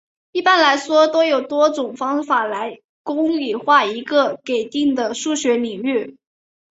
一般来说都有多种方法来公理化一个给定的数学领域。